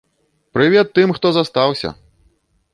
Прывет тым, хто застаўся!